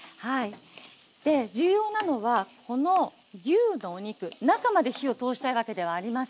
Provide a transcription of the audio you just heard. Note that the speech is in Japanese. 重要なのはこの牛のお肉中まで火を通したいわけではありません。